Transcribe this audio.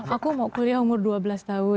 aku mau kuliah umur dua belas tahun